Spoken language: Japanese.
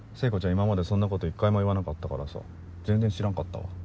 今までそんなこと一回も言わなかったからさ全然知らんかったわ。